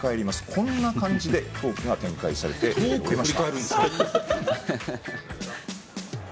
こんな感じでトークが展開されておりました。